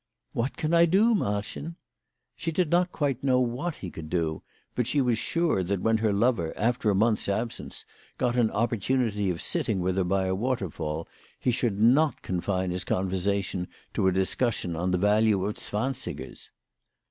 " What can I do, Malchen ?" She did not quite know what he could do, but she was sure that when her lover, after a month's absence, got an opportunity of sitting with her by a waterfall, he should not confine his conversation to a discussion on the value of zwansigers.